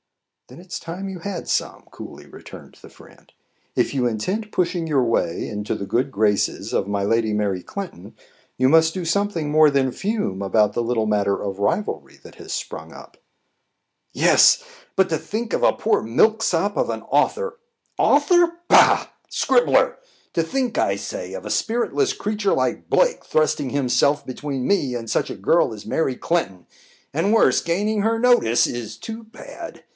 "Then it is time you had some," coolly returned the friend. "If you intend pushing your way into the good graces of my lady Mary Clinton, you must do something more than fume about the little matter of rivalry that has sprung up." "Yes; but to think of a poor milk sop of an author author? pah! scribbler! to think, I say, of a spiritless creature like Blake thrusting himself between me and such a girl as Mary Clinton; and worse, gaining her notice, is too bad!